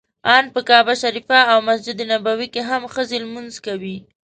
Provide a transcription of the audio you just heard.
ان په کعبه شریفه او مسجد نبوي کې هم ښځې لمونځ کوي.